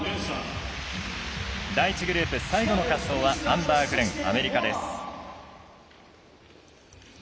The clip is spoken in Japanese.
第１グループ最後の滑走はアンバー・グレン、アメリカです。